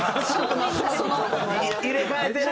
入れ替えてる！